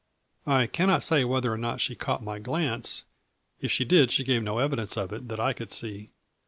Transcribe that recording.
I cannot say whether or not she caught my glance, if she did she gave no evidence of it, that I could see.